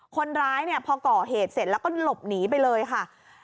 คนร้ายเนี่ยพอก่อเหตุเสร็จแล้วก็หลบหนีไปเลยค่ะ